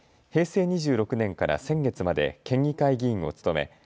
平成２６年から先月まで県議会議員を務め